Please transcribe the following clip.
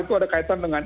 itu ada kaitan dengan